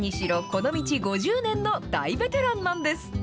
この道５０年の大ベテランなんです。